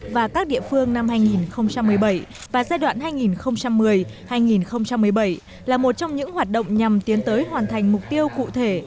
và các địa phương năm hai nghìn một mươi bảy và giai đoạn hai nghìn một mươi hai nghìn một mươi bảy là một trong những hoạt động nhằm tiến tới hoàn thành mục tiêu cụ thể